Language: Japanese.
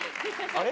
あれ？